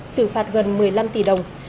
xử phạt gần một mươi năm tỷ đồng